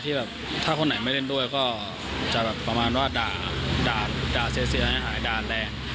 แบบถ้าคนไหนไม่เล่นด้วยก็จะแบบประมาณว่าด่าเสียหายด่านแรง